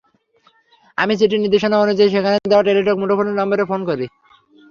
আমি চিঠির নির্দেশনা অনুযায়ী সেখানে দেওয়া টেলিটক মুঠোফোন নম্বরে ফোন করি।